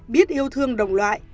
biết yêu thương đồng loại